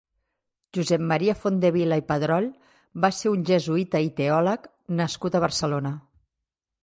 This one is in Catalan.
Josep Maria Fondevila i Padrol va ser un jesuïta i teòleg nascut a Barcelona.